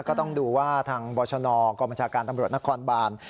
ก็ต้องดูว่าทางบชนกองบัญชาการตำรวจนครบาน